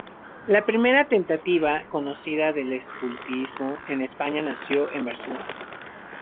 La primera tentativa conocida del escultismo en España nació en Barcelona.